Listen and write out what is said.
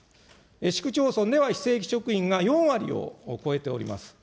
市区町村では非正規職員が４割を超えております。